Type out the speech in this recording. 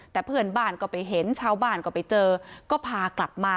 แต่เพื่อนบ้านก็ไปเห็นชาวบ้านก็ไปเจอก็พากลับมา